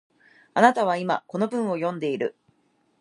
あなたは今、この文を読んでいる